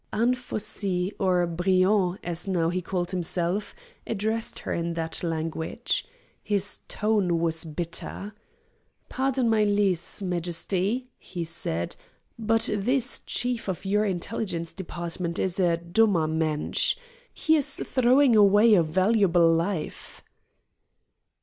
Anfossi, or Briand, as now he called himself, addressed her in that language. His tone was bitter. "Pardon my lese majesty," he said, "but this chief of your Intelligence Department is a dummer Mensch. He is throwing away a valuable life."